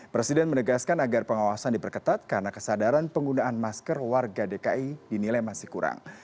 presiden menegaskan agar pengawasan diperketat karena kesadaran penggunaan masker warga dki dinilai masih kurang